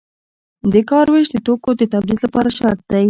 د کار ویش د توکو د تولید لپاره شرط دی.